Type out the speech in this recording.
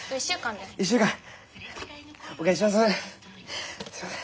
１週間で。